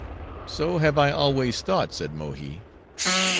"So have I always thought," said Mohi.